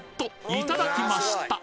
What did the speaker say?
いただきました